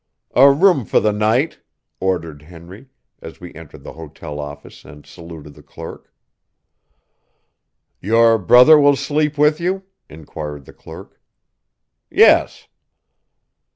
"A room for the night," ordered Henry, as we entered the hotel office and saluted the clerk. "Your brother will sleep with you?" inquired the clerk. "Yes."